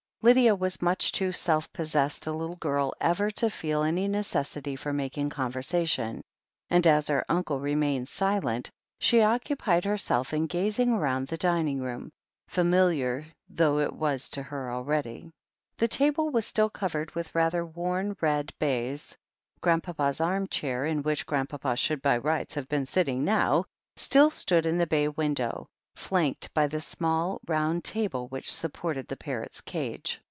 Lydia was much too self possessed a little girl ever to feel any necessity for making conversation, and as her tmcle remained silent, she occupied herself in gazing round the dining room, familiar though it was to her already. The table was still covered with rather worn red baize; Grandpapa's arm chair, in which Grandpapa should by rights have been sitting now, still stood in the bay window, flanked by the small, round table which sup ported the parrot's cage.